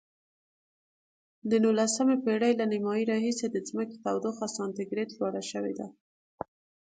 د نولسمې پیړۍ له نیمایي راهیسې د ځمکې تودوخه سانتي ګراد لوړه شوې ده.